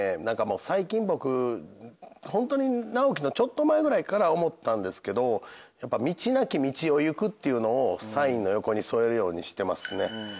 何か最近僕ホントに直木のちょっと前ぐらいから思ったんですけどやっぱ「道なき道を行く」っていうのをサインの横に添えるようにしてますね。